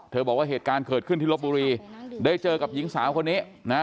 บอกว่าเหตุการณ์เกิดขึ้นที่ลบบุรีได้เจอกับหญิงสาวคนนี้นะฮะ